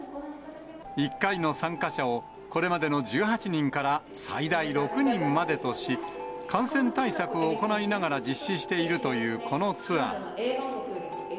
１回の参加者をこれまでの１８人から、最大６人までとし、感染対策を行いながら実施しているというこのツアー。